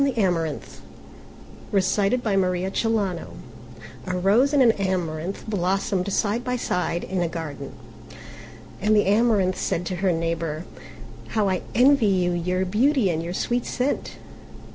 THE ROSE AND THE AMARANTH A Rose and an Amaranth blossomed side by side in a garden, and the Amaranth said to her neighbour, "How I envy you your beauty and your sweet scent!